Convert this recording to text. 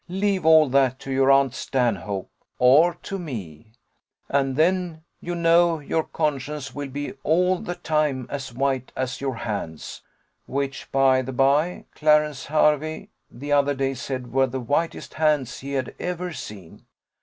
Leave all that to your aunt Stanhope, or to me, and then you know your conscience will be all the time as white as your hands, which, by the bye, Clarence Hervey, the other day, said were the whitest hands he had ever seen.